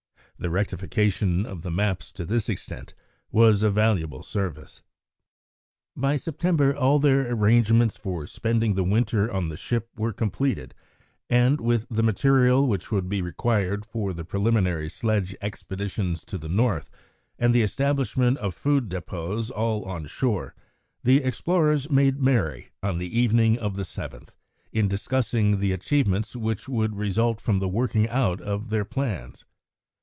The rectification of the maps to this extent was a valuable service. By September all their arrangements for spending the winter on the ship were completed, and with the material which would be required for the preliminary sledge expeditions to the north, and the establishment of food depôts, all on shore, the explorers made merry on the evening of the 7th in discussing the achievements which would result from the working out of their plans.